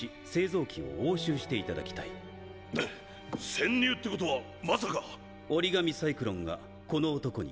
潜入ってことはまさか⁉折紙サイクロンがこの男に擬態を。